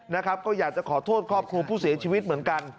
นะครับก็อยากจะขอโทษครอบครัวผู้เสียชีวิตเหมือนกัน